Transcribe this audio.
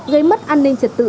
gây mất an ninh trật tự